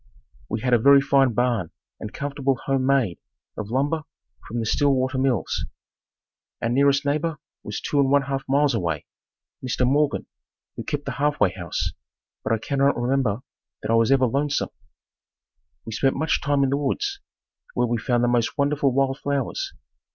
We had a very fine barn and comfortable home made of lumber from the Stillwater Mills. Our nearest neighbor was two and one half miles away, Mr. Morgan who kept the halfway house, but I cannot remember that I was ever lonesome. We spent much time in the woods, where we found the most wonderful wild flowers.